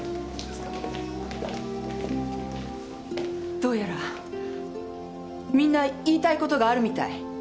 どうやらみんな言いたいことがあるみたい。